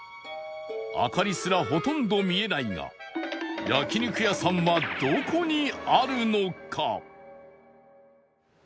明かりすらほとんど見えないが焼肉屋さんはどこにあるのか？